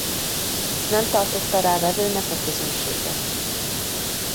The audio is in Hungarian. Nem tartotta rá vevőnek a közönséget.